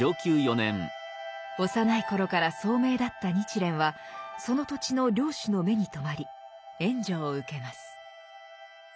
幼い頃から聡明だった日蓮はその土地の領主の目に留まり援助を受けます。